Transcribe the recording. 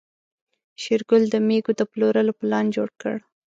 شېرګل د مېږو د پلورلو پلان جوړ کړ.